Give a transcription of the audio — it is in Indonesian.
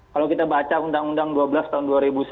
kalau kita baca undang undang dua belas tahun dua ribu sebelas